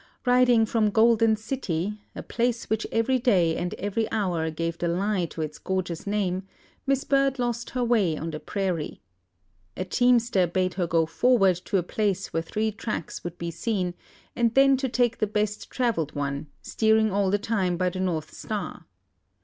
Riding from Golden City, a place which every day and every hour gave the lie to its gorgeous name, Miss Bird lost her way on the prairie. A teamster bade her go forward to a place where three tracks would be seen, and then to take the best travelled one, steering all the time by the north star.